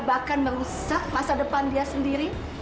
bahkan merusak masa depan dia sendiri